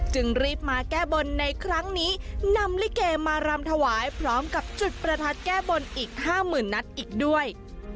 จึงรีบมาแก้บนในครั้งนี้นำลิเกมารำถวายพร้อมกับจุดประทัดแก้บนอีกห้าหมื่นนัดอีกด้วย